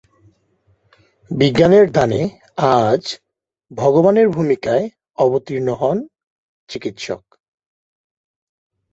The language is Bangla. বিজ্ঞানের দানে আজ ভগবানের ভূমিকায় অবতীর্ণ হন চিকিৎসক।